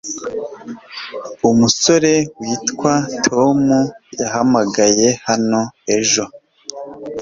umusore witwa tom yahamagaye hano ejo